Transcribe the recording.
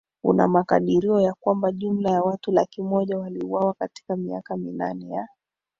Kuna makadirio ya kwamba jumla ya watu laki moja waliuawa katika miaka minane ya